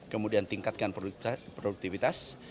kemudian tingkatkan produktivitas